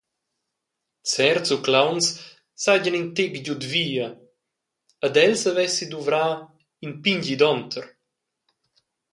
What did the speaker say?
Certs uclauns seigien in tec giud via ed el savessi duvrar in pign gidonter.